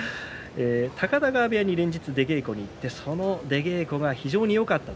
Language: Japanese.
高田川部屋に連日出稽古に行ってその出稽古が非常によかった。